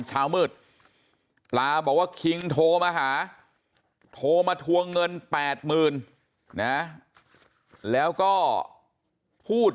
เช้ามืดปลาบอกว่าคิงโทรมาหาโทรมาทวงเงิน๘๐๐๐นะแล้วก็พูด